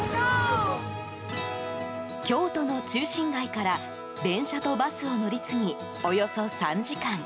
京都の中心街から電車とバスを乗り継ぎ、およそ３時間。